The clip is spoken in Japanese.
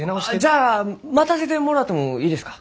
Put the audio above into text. じゃあ待たせてもろうてもえいですか？